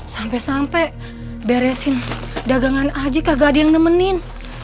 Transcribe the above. sampai sampai beresin dagangan aja kagak ada yang nemenin